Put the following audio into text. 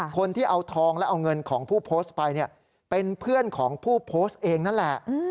คนที่เอาทองและเอาเงินของผู้โพสต์ไปเนี่ยเป็นเพื่อนของผู้โพสต์เองนั่นแหละ